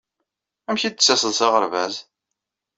Amek ay d-tettaseḍ s aɣerbaz?